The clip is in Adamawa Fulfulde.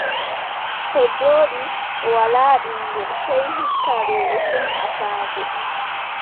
Koo jooɗi, o walaa ɓiŋngel, sey hikka doo o feni afaago.